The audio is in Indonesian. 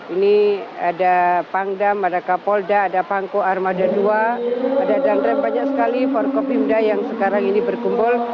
ini ada pangdam ada kapolda ada pangko armada ii ada danrem banyak sekali forkopimda yang sekarang ini berkumpul